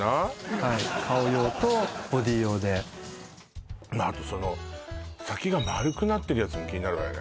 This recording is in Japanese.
はい顔用とボディー用であとその先が丸くなってるやつも気になるわよね